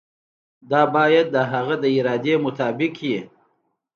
دا باید د هغه د ارادې مطابق وي.